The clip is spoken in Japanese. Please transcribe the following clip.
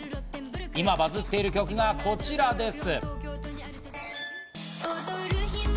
今バズっている曲がこちらです。